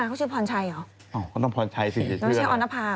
อะไรคือพรไชยเถอะแป๊ะพรไชยเนี่ยแป๊ะด้วยเหรอ